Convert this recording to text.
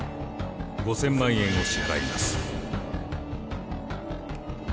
５，０００万円を支払います。